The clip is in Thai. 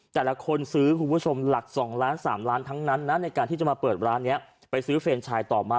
แต่แต่คนซื้อ๒๓ลางน่ะที่จะมาเปิดร้านซื้อเฟรนชายต่อมา